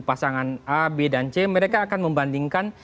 pasangan a b dan c mereka akan membandingkan